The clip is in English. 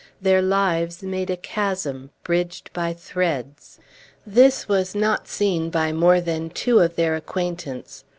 Their lives made a chasm bridged by threads. This was not seen by more than two of their acquaintance.